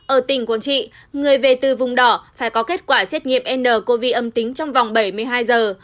ở tỉnh quảng trị người về từ vùng đỏ phải có kết quả xét nghiệm ncov âm tính trong vòng bảy mươi hai giờ